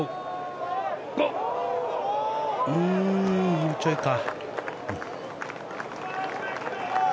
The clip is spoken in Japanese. もうちょいか。